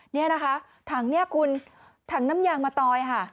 นี่นะคะถังเนี่ยคุณถังน้ำยางมะตอยค่ะ